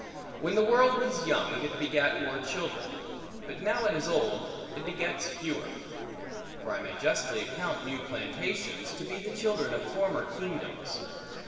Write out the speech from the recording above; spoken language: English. When the world was young, it begat more children; but now it is old, it begets fewer: for I may justly account new plantations, to be the children of former kingdoms.